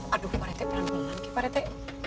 aduh parete pernah bilang ke parete